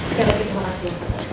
sekali lagi terima kasih mas anusi